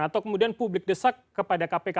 atau kemudian publik desak kepada kpk